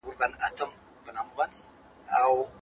د ارغنداب سیند شاوخوا سیمې حاصل خېزې دي.